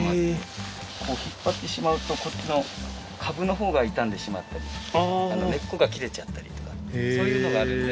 こう引っ張ってしまうとこっちの株のほうが傷んでしまったり根っこが切れちゃったりとかそういうのがあるんで。